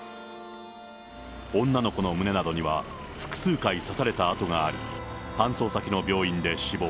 女の子の胸などには、複数回刺された痕があり、搬送先の病院で死亡。